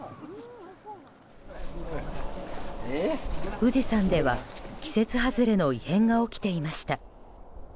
富士山では、季節外れの異変が起きていました。